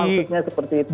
maksudnya seperti itu